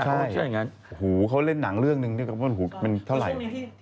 สูงน่างอะไร